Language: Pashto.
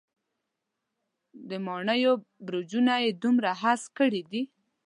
د ماڼېیو برجونه یې دومره هسک کړي دی.